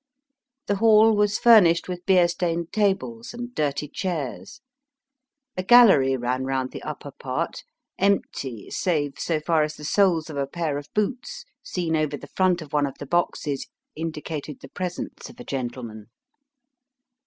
The hall was furnished with beer stained tables and dirty chairs. A gallery ran round the upper part, empty save so far as the soles of a pair of boots seen over the front of one of the boxes indicated the presence of a gentleman.